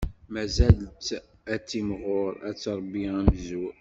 Mazal-tt ad timɣur, ad tṛebbi amzur.